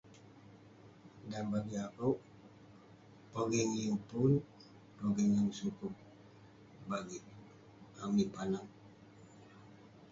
Dan bagik akouk, pogeng yeng pun, pogeng yeng sukup, bagik amik panag.